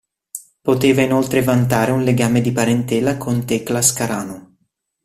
Poteva inoltre vantare un legame di parentela con Tecla Scarano.